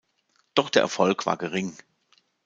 Doch der Erfolg war gering.